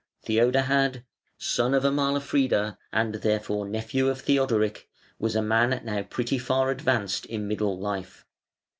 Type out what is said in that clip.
Theodahad, son of Amalfrida, and therefore nephew of Theodoric, was a man now pretty far advanced in middle life.